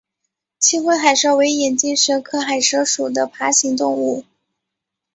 青灰海蛇为眼镜蛇科海蛇属的爬行动物。